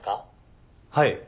はい。